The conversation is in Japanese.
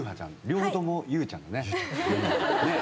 両方ともゆうちゃんだね。